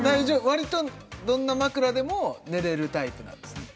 割とどんな枕でも寝れるタイプなんですね？